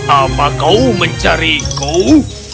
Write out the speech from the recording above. apa kau mencari kau